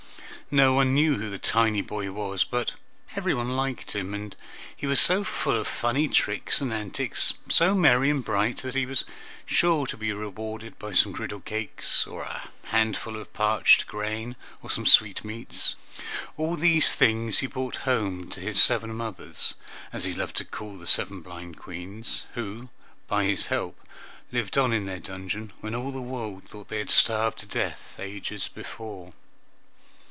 No one knew who the tiny boy was, but everybody liked him, and he was so full of funny tricks and antics, so merry and bright, that he was sure to be rewarded by some girdle cakes, a handful of parched grain, or some sweetmeats. All these, things he brought home to his seven mothers, as he loved to call the seven blind Queens, who by his help lived on in their dungeon when all the world thought they had starved to death ages before.